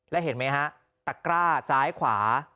แล้วเห็นไหมฮะตะกร้าซ้ายขวา